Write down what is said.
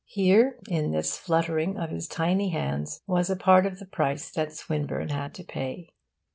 Here, in this fluttering of his tiny hands, was a part of the price that Swinburne had to pay.